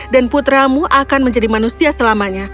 dan putramu akan menjadi manusia selamanya